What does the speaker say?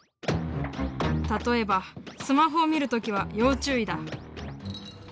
例えばスマホを見る時は要注意だ。